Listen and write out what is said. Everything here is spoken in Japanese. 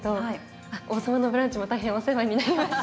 「王様のブランチ」も大変お世話になりました。